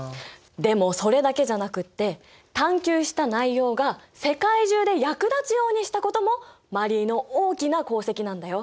でもそれだけじゃなくって探究した内容が世界中で役立つようにしたこともマリーの大きな功績なんだよ。